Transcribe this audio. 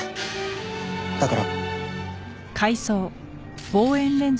だから。